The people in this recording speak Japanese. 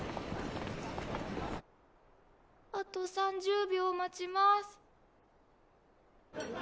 あと３０秒待ちます。